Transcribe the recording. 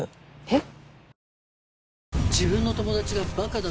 えっ！？